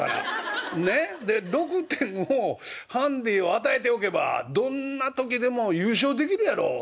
で６点をハンディを与えておけばどんな時でも優勝できるやろ」。